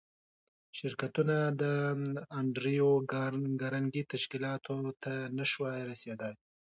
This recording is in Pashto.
شرکتونه د انډریو کارنګي تشکیلاتو ته نشوای رسېدای